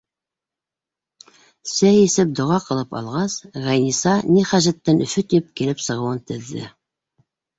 Сәй эсеп, доға ҡылып алғас, Ғәйнисә ни хәжәттән Өфө тип килеп сығыуын теҙҙе.